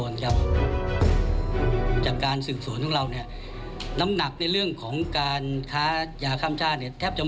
สนุนโดยน้ำดื่มสิงห์